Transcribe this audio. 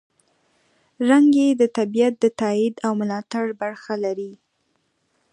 رنګ یې د طبیعت د تاييد او ملاتړ برخه لري.